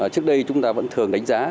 trước đây chúng ta vẫn thường đánh giá